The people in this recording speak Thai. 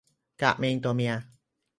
กะเม็งตัวเมีย